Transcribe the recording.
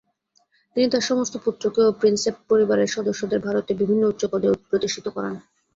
তিনি তার সমস্ত পুত্রকে ও প্রিন্সেপ পরিবারের সদস্যদের ভারতে বিভিন্ন উচ্চপদে প্রতিষ্ঠিত করান।